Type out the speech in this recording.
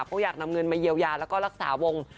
เพราะอยากนำเงินมาเยียวยาแล้วก็รักษาวง